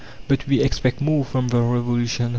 But we expect more from the Revolution.